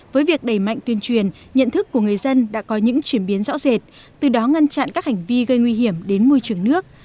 với việc đẩy mạnh tuyên truyền nhận thức của người dân đã có những chuyển biến rõ rệt từ đó ngăn chặn các hành vi gây nguy hiểm đến môi trường nước